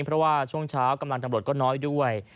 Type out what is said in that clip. เพราะว่าช่วงเช้ากำลังตำรวจก็น้อยด้วย